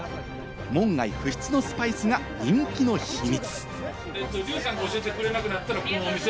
門外不出のスパイスが人気の秘密。